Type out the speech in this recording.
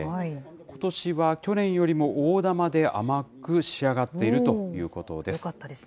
ことしは去年よりも大玉で甘く仕上がっているということです。